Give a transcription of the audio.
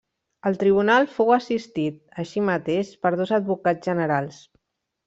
El Tribunal fou assistit, així mateix, per dos advocats generals.